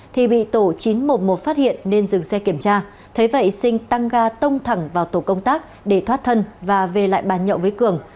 thì bị tổ chín trăm một mươi một phát hiện nên dừng xe kiểm tra thế vậy sinh tăng ga tông thẳng vào tổ công tác để thoát thân và về lại bàn nhậu với cường